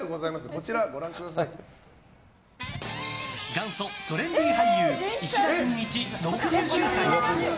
元祖トレンディー俳優石田純一、６９歳。